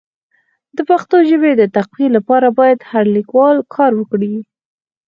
د پښتو ژبي د تقويي لپاره باید هر لیکوال کار وکړي.